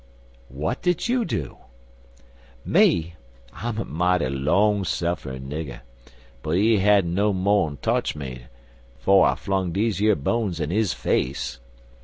"What did you do?" "Me? I'm a mighty long sufferin' nigger, but he hadn't no mo'n totch me 'fo' I flung dese yer bones in his face."